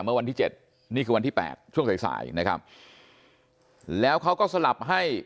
เมื่อวันที่๗นี่คือวันที่๘ใส่นะครับแล้วเขาก็สลับให้